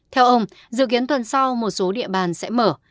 theo ông dự kiến tuần sau một số địa bàn sẽ mở